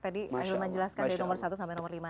tadi ahilman jelaskan dari nomor satu sampai nomor lima